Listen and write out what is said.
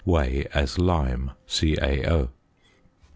Weigh as lime (CaO).